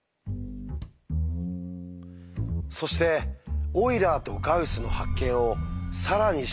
そしてオイラーとガウスの発見を更に進化させる男が登場します。